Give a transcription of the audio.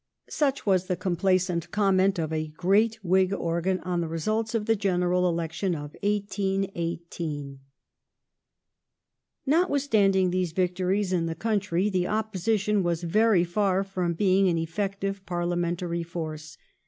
"^ Such was the complacent comment of a great Whig organ on the i*esults of the General Election of 1818. Notwithstanding these victories in the country the Opposition The Op was very far from being an effective Parliamentary force.